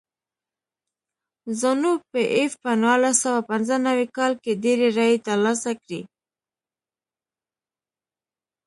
زانو پي ایف په نولس سوه پنځه نوي کال کې ډېرې رایې ترلاسه کړې.